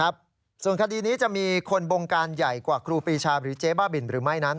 ส่วนคดีนี้จะมีคนบงการใหญ่กว่าครูปีชาหรือเจ๊บ้าบินหรือไม่นั้น